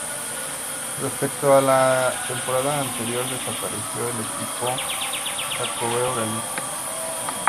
Respecto a la temporada anterior desapareció el equipo Xacobeo Galicia.